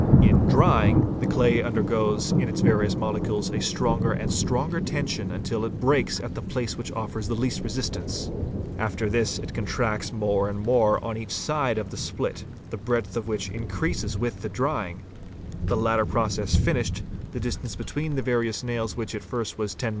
In drying, the clay undergoes in its various molecules a stronger and stronger tension until it breaks at the place which offers the least resistance; after this it contracts more and more on each side of the split, the breadth of which increases with the drying: The latter process finished, the distance between the various nails which at first was 10mm.